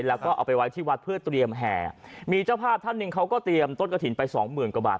แล้วก็เอาไปไว้ที่วัดเพื่อเตรียมแห่มีเจ้าภาพท่านหนึ่งเขาก็เตรียมต้นกระถิ่นไปสองหมื่นกว่าบาท